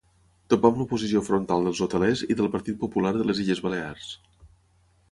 Topà amb l'oposició frontal dels hotelers i del Partit Popular de les Illes Balears.